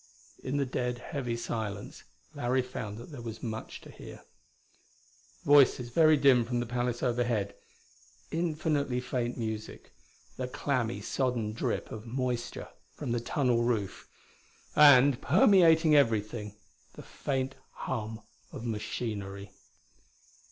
In the dead, heavy silence Larry found that there was much to hear. Voices very dim from the palace overhead; infinitely faint music; the clammy sodden drip of moisture from the tunnel roof. And, permeating everything, the faint hum of machinery.